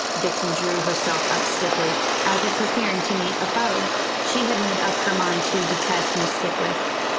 Vixen drew herself up stiffly, as if preparing to meet a foe. She had made up her mind to detest Miss Skipwith.